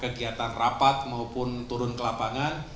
kegiatan rapat maupun turun ke lapangan